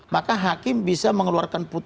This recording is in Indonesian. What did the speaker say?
maka hakim bisa mengeluarkan putusan